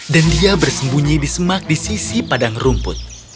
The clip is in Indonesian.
dan dia bersembunyi di semak di sisi padang rumput